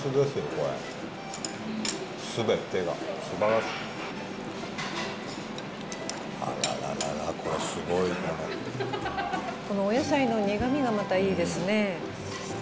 これすべてが素晴らしいあららららこれすごいこのこのお野菜の苦みがまたいいですねえ